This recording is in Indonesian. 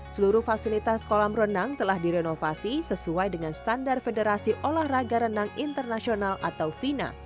seluruh fasilitas kolam renang telah direnovasi sesuai dengan standar federasi olahraga renang internasional atau vina